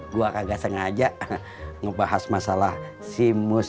gua kagak sengaja ngebahas masalah si mus